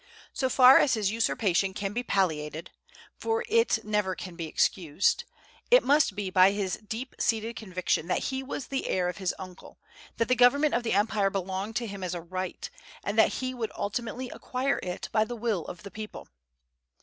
So far as his usurpation can be palliated, for it never can be excused, it must be by his deep seated conviction that he was the heir of his uncle, that the government of the empire belonged to him as a right, and that he would ultimately acquire it by the will of the people.